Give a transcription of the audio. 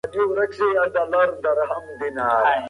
د مشرتابه تسلسل يې مهم باله.